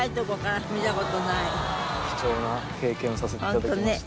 貴重な経験をさせて頂きました。